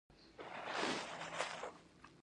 ټول شغ شغ ووتل.